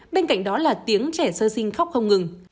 bên cạnh đó là tiếng trẻ sơ sinh khóc không ngừng